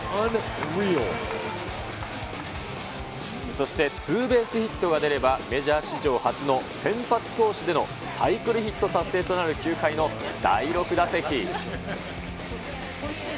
そしてツーベースヒットが出れば、メジャー史上初の先発投手でのサイクルヒット達成となる９回の第６打席。